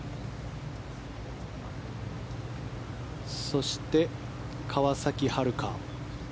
そして、川崎春花。